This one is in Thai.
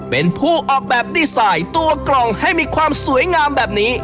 เป็นผู้ออกแบบดีไซน์ตัวกล่องให้มีความสวยงามแบบนี้